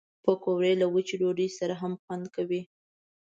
پکورې له وچې ډوډۍ سره هم خوند کوي